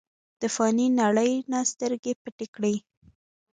د فانې نړۍ نه سترګې پټې کړې ۔